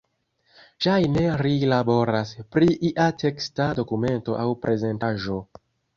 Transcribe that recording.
Ŝajne ri laboras pri ia teksta dokumento aŭ prezentaĵo.